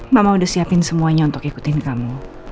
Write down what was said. mama udah siapin semuanya untuk ikutin kamu